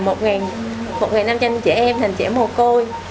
một ngàn năm cho anh chị em thành trẻ mồ côi